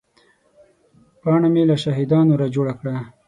پاڼه مې له شاهدانو را جوړه کړه.